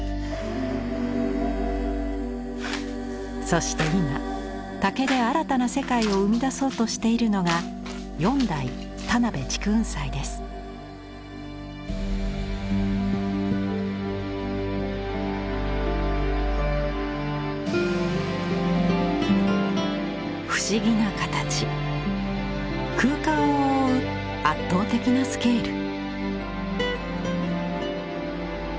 そして今竹で新たな世界を生み出そうとしているのが不思議な形空間を覆う圧倒的な「スケール」。